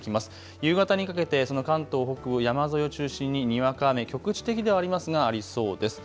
夕方にかけてその関東北部山沿いを中心ににわか雨、局地的ではありますがありそうです。